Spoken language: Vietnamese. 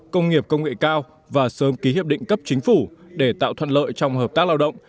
công nghiệp công nghệ cao và sớm ký hiệp định cấp chính phủ để tạo thuận lợi trong hợp tác lao động